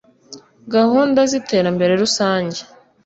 gahunda z’iterambere rusange